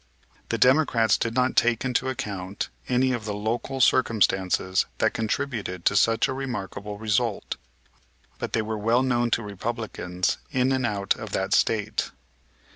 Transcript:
The Democrats did not take into account any of the local circumstances that contributed to such a remarkable result; but they were well known to Republicans in and out of that State.